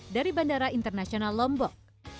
dari bandara internasional lombok